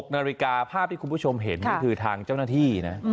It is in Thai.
๖นาฬิกาภาพที่คุณผู้ชมเห็นนี่คือทางเจ้าหน้าที่นะ